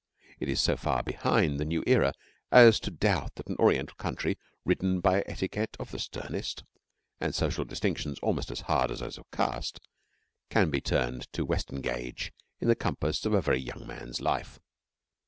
It is so far behind the New Era as to doubt that an Oriental country, ridden by etiquette of the sternest, and social distinctions almost as hard as those of caste, can be turned out to Western gauge in the compass of a very young man's life.